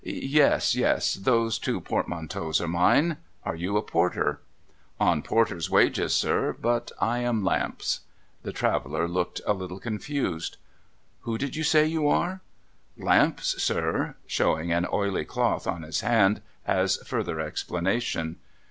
Yes. Yes. Those two portmanteaus are mine. Are you a Porter ?'' On Porter's wages, sir. But I am Lamps.' The traveller looked a little confused. ' AVho did you say you are ?' 'Ivamps, sir,' showing an oily cloth in his hand, as further explanation.